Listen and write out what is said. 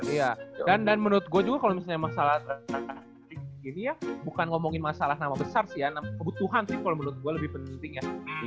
iya dan menurut gua juga kalo misalnya masalah draft pick gini ya bukan ngomongin masalah nama besar sih ya kebutuhan sih kalo menurut gua lebih penting ya